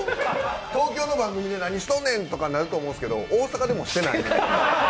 東京の番組で何しとんねん！とかなると思うんですけど、大阪でもしてないんで。